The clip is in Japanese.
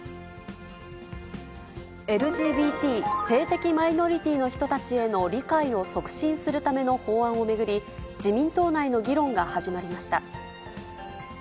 ＬＧＢＴ・性的マイノリティーの人たちへの理解を促進するための法案を巡り、自民党内の議論が始まりました。